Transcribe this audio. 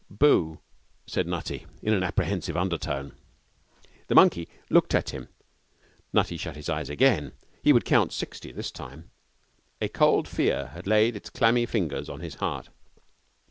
'Boo!' said Nutty, in an apprehensive undertone. The monkey looked at him. Nutty shut his eyes again. He would count sixty this time. A cold fear had laid its clammy fingers on his heart.